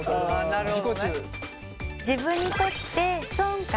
なるほど。